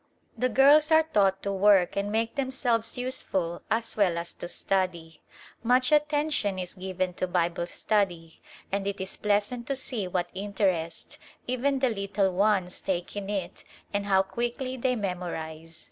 The girls are taught to work and make themselves useful as well as to study. Much attention is given to Bible study and it is pleasant to see what interest even the little ones take in it and how quickly they memorize.